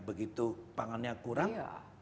begitu pangannya kurang